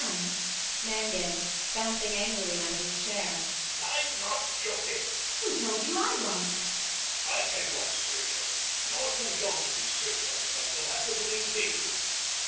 MANGAN [bouncing angrily out of his chair]. I'm not joking. ELLIE. Who told you I was? MANGAN. I tell you I'm serious. You're too young to be serious; but you'll have to believe me.